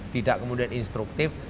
tidak kemudian instruktif